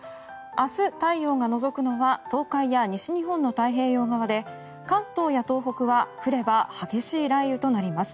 明日、太陽がのぞくのは東海や西日本の太平洋側で関東や東北は降れば激しい雷雨となります。